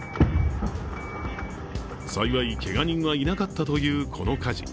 幸いけが人はいなかったというこの火事。